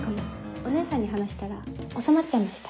お姉さんに話したら収まっちゃいました。